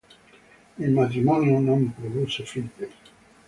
Il matrimonio non produsse figli.